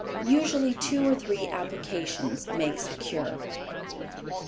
Usually two or three applications makes a cure.